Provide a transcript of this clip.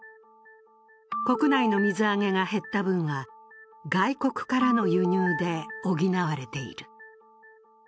国内の水揚げが減った分は、外国からの輸入で補われている。